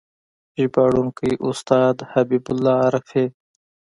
ژباړونکی: استاد حبیب الله رفیع